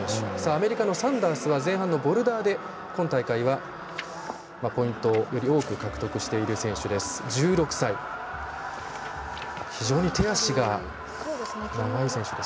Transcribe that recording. アメリカのサンダースは前半のボルダーで今大会はポイントをより多く獲得している１６歳の選手です。